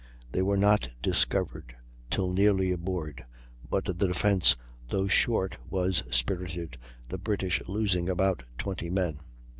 They were not discovered till nearly aboard, but the defence though short was spirited, the British losing about 20 men.